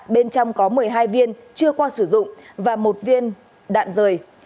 bên trong có một mươi hai viên chưa qua sử dụng và một viên đạn rời